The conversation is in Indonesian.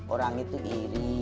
orang itu iri